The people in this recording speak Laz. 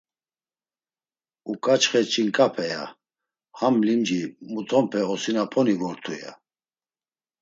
Uǩaçxe “Ç̌inǩape!” ya; “Ham limci mutonpe osinaponi vortu.” ya.